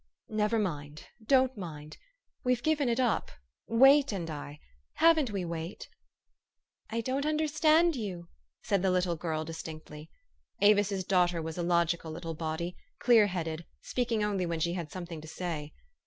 Never mind ; don't mind. We've given it up Wait and I ; haven't we, Wait?" " I don't understand you," said the little girl dis tinctly. Avis' s daughter was a logical little body, clear headed, speaking only when she had something to say.